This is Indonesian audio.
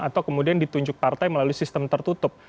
atau kemudian ditunjuk partai melalui sistem tertutup